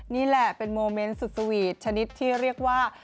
นี่แหละเป็นโมเมนต์สุดสวีทชนิดที่เรียกว่า